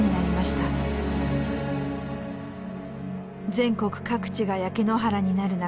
全国各地が焼け野原になる中